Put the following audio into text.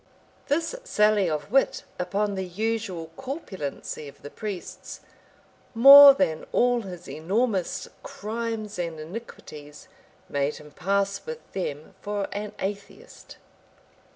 This sally of wit upon the usual corpulency of the priests, more than all his enormous crimes and iniquities, made him pass with them for an atheist.